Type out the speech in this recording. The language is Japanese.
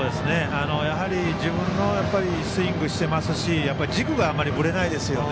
やはり自分のスイングをしていますし軸があまりぶれないですよね。